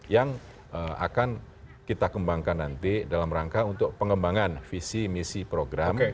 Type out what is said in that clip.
yang akan kita kembangkan nanti dalam rangka untuk pengembangan visi misi program